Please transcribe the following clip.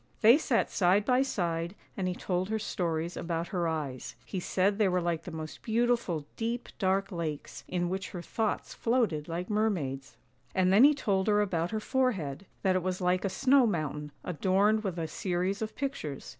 They sat side by side and he told her stories about her eyes; he said they were like the most beautiful deep, dark lakes, in which her thoughts floated like mermaids; and then he told her about her forehead, that it was like a snow mountain, adorned with a series of pictures.